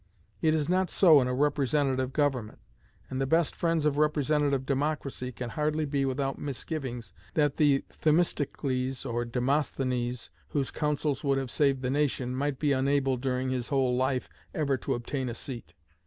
It is not so in a representative government; and the best friends of representative democracy can hardly be without misgivings that the Themistocles or Demosthenes whose councils would have saved the nation, might be unable during his whole life ever to obtain a seat.